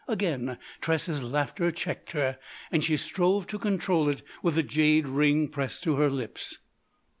Again Tressa's laughter checked her, and she strove to control it with the jade ring pressed to her lips.